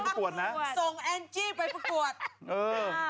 ส่งอังจี้ไปประกวดนะ